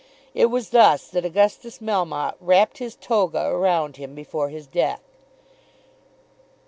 It was thus that Augustus Melmotte wrapped his toga around him before his death!